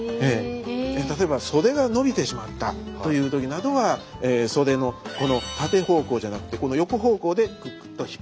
例えば袖が伸びてしまったというときなどは袖のこの縦方向じゃなくてこの横方向でクックッと引っ張ってやる。